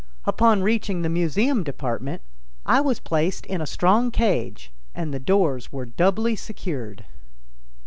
Upon reaching the museum department, I was placed in a strong cage and the doors were doubly secured.